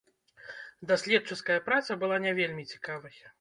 Даследчыцкая праца была не вельмі цікавай.